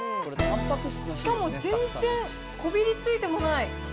しかも全然こびりついてもない。